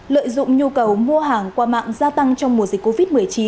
lợi dụng nhu cầu mua hàng qua mạng gia tăng trong mùa dịch covid một mươi chín